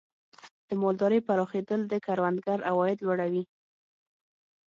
د مالدارۍ پراخېدل د کروندګر عواید لوړوي.